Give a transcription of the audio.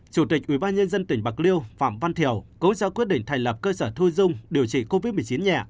chủ tịch ủy ban nhân dân tỉnh bạc liêu phạm văn thiều cũng sẽ quyết định thành lập cơ sở thu dung điều trị covid một mươi chín nhẹ